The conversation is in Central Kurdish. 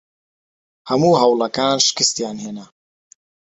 هەموو هەوڵەکان شکستیان هێنا.